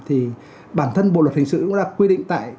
thì bản thân bộ luật hình sự cũng đã quy định tại